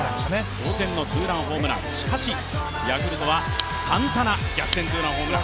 同点のツーランホ−ムラン、ヤクルトはサンタナ、逆転ツーランホームラン。